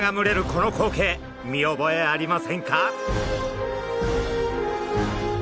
この光景見覚えありませんか？